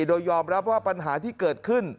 โดยยอมรับว่าปัญหาที่เกิดขึ้น